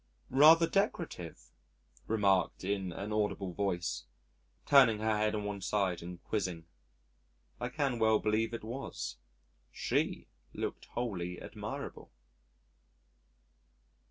"Rather decorative," remarked in an audible voice, turning her head on one side and quizzing. I can well believe it was. She looked wholly admirable.